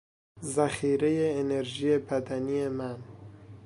ذخیرهی انرژی بدنی من